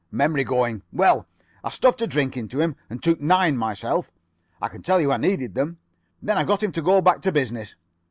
Memory going. Well, I stuffed a drink into him and took nine myself. I can tell you I needed them. Then I got him to go back to business.